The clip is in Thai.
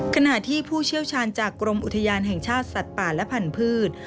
ขณะที่ผู้เชี่ยวชาญจากกรมอุทยานแห่งชาติสัตว์ป่าและพันธุ์